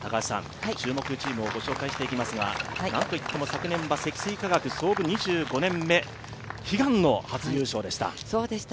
注目チームをご紹介していきますが、何といっても昨年は積水化学、創部２５年目、悲願の初優勝でした。